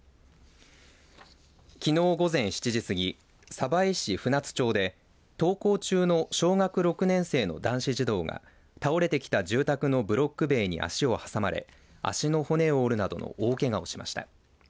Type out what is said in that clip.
きのう午前７時すぎ鯖江市舟津町で登校中の小学６年生の男子児童が倒れてきた住宅のブロック塀に足を挟まれ足の骨を折るなどの大けがをしました。